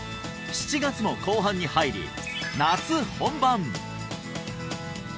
７月も後半に入り夏本番！